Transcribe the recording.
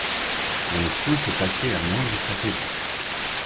Pour ne point se passer la moindre fantaisie.